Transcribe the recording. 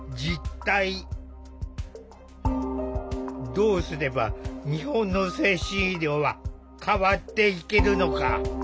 どうすれば日本の精神医療は変わっていけるのか考える！